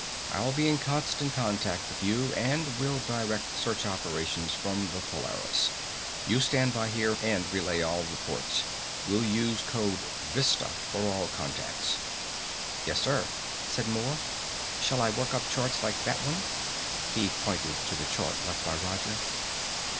I'll be in constant contact with you and will direct search operations from the Polaris. You stand by here and relay all reports. We'll use code 'VISTA' for all contacts." "Yes, sir," said Moore. "Shall I work up charts like that one?" He pointed to the chart left by Roger.